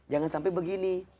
jangan sampai begini